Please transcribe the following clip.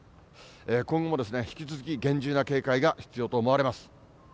今後も引き続き、厳重な警戒が必要と思われます。